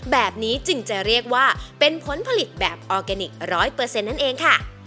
แบบนี้จึงจะเรียกว่าเป็นผลผลิตแบบออร์แกนิค๑๐๐นั่นเองค่ะ